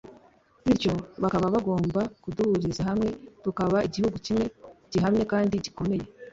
bityo bakaba bagomba kuduhuriza hamwe tukaba igihugu kimwe gihamye kandi gikomeye